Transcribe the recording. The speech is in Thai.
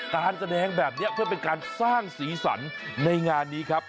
การแสดงแบบนี้เพื่อเป็นการสร้างสีสันในงานนี้ครับ